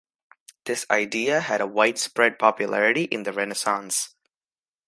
This idea had a widespread popularity in the Renaissance.